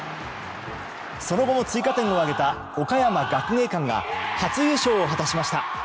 その後も追加点を挙げた岡山学芸館が初優勝を果たしました。